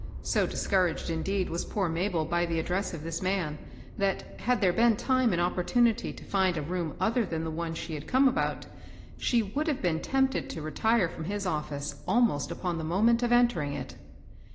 So discouraged, indeed, was poor Mabel by the address of this man, that, had there been time and opportunity to find a room other than the one she had come about, she would have been tempted to retire firom his office almost upon the moment of entering it.